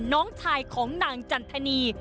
น้องชายของนางจันทนี